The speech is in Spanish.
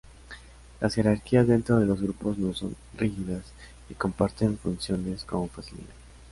Las jerarquías dentro de los grupos no son rígidas y comparten funciones con facilidad.